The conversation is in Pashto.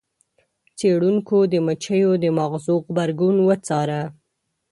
څیړونکو د مچیو د ماغزو غبرګون وڅاره.